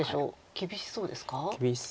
厳しそうです。